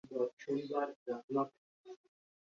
আমি তার সামনে এসে দাঁড়ালুম।